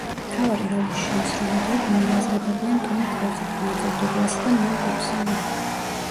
მთავარი როლის შემსრულებლად მოიაზრებოდნენ ტომ კრუზი, მაიკლ დუგლასი და მელ გიბსონი.